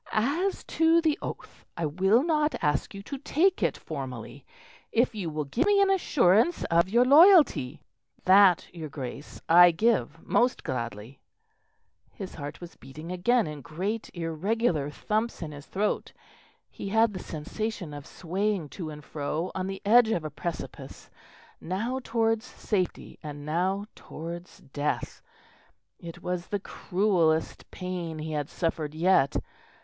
"As to the oath, I will not ask you to take it formally, if you will give me an assurance of your loyalty." "That, your Grace, I give most gladly." His heart was beating again in great irregular thumps in his throat; he had the sensation of swaying to and fro on the edge of a precipice, now towards safety and now towards death; it was the cruellest pain he had suffered yet.